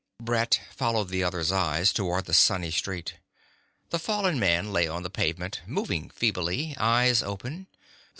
Brett followed the other's eyes toward the sunny street. The fallen man lay on the pavement, moving feebly, eyes open.